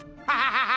ハハハハ！